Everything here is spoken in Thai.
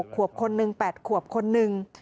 ขวบคนหนึ่ง๘ขวบคนหนึ่ง